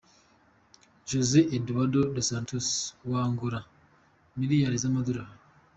Jose Eduardo dos Santos wa Angola :Miliyari z’amadolari.